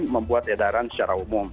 membuat edaran secara umum